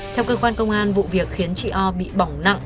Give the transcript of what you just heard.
theo cơ quan công an vụ việc khiến chị o bị bỏng nặng